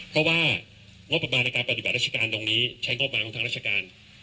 เพราะว่างบประมาณในการปฏิบัติราชการตรงนี้ใช้งบประมาณของทางราชการ